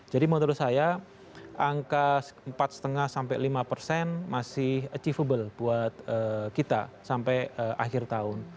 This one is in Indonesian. jadi menurut saya angka empat lima sampai lima persen masih achievable buat kita sampai akhir tahun